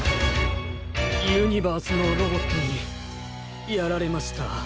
ユニバースのロボットにやられました。